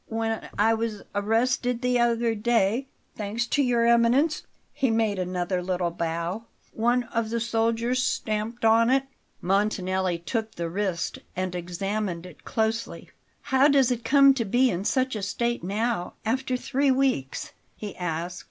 "When I was arrested the other day, thanks to Your Eminence," he made another little bow, "one of the soldiers stamped on it." Montanelli took the wrist and examined it closely. "How does it come to be in such a state now, after three weeks?" he asked.